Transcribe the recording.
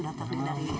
ya di allah